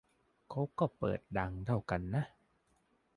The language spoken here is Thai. เขาก็เปิดดังเท่ากันน่ะ